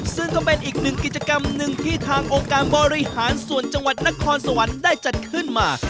ซึ่งก็เป็นอีกหนึ่งกิจกรรมหนึ่งที่ทางองค์การบริหารส่วนจังหวัดนครสวรรค์ได้จัดขึ้นมา